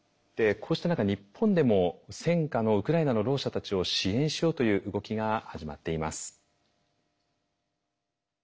こうした中日本でも戦禍のウクライナのろう者たちを支援しようという動きが始まっています。